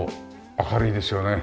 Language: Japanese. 明るいですよね。